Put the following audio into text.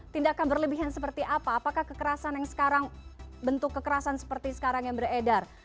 tindakan berlebihan seperti apa apakah kekerasan yang sekarang bentuk kekerasan seperti sekarang yang beredar